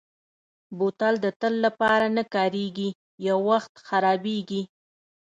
بوتل د تل لپاره نه کارېږي، یو وخت خرابېږي.